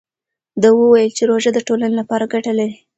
ده وویل چې روژه د ټولنې لپاره ګټه لري.